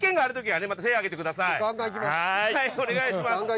はいお願いします。